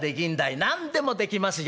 「何でもできますよ。